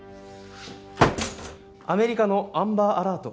アメリカのアンバーアラート